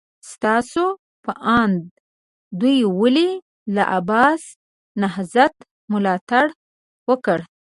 ستاسو په اند دوی ولې له عباسي نهضت ملاتړ وکړ؟